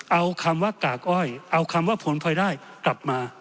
เอาคำว่ากากอ้อยเอาคำว่าผลพลอยได้กลับมา